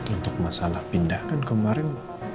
untuk masalah pindahkan kemarin